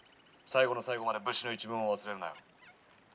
最後の最後まで武士の一分を忘れるなよ」。